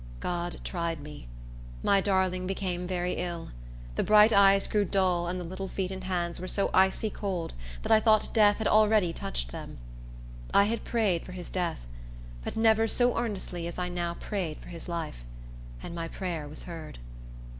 God tried me. My darling became very ill. The bright eyes grew dull, and the little feet and hands were so icy cold that I thought death had already touched them. I had prayed for his death, but never so earnestly as I now prayed for his life; and my prayer was heard.